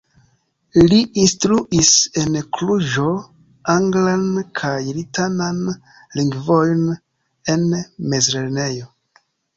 Li instruis en Kluĵo anglan kaj latinan lingvojn en mezlernejo.